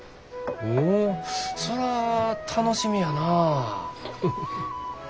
ほうそら楽しみやなぁ。